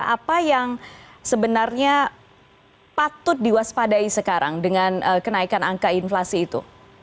apa yang sebenarnya patut diwaspadai sekarang dengan kenaikan angka inflasi itu